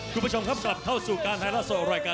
คุณผู้ชมครับกลับเข้าสู่การไทยรัฐส่งรายการ